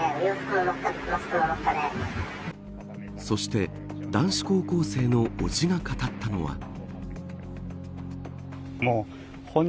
そして男子高校生のおじが語ったのは。